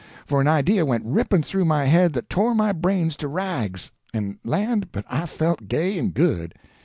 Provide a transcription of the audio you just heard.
For an idea went ripping through my head that tore my brains to rags—and land, but I felt gay and good!